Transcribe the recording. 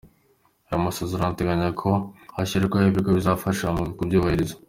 Aya masezerano ateganya ko hashyirwaho ibigo bizafasha mu kuyubahiriza.